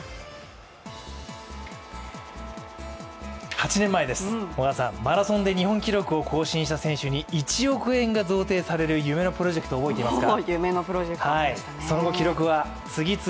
８年前です、小川さんマラソンで日本記録を更新した選手に１億円が贈呈される夢のプロジェクト、覚えていますか？